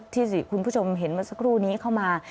ที่คุณผู้ชมเห็นเมื่อสักครู่นี้เข้ามา